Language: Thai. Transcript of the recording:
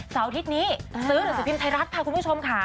อาทิตย์นี้ซื้อหนังสือพิมพ์ไทยรัฐค่ะคุณผู้ชมค่ะ